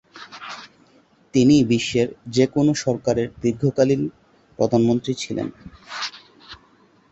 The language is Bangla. তিনি বিশ্বের যে কোনও সরকারের দীর্ঘকালীন প্রধানমন্ত্রী ছিলেন।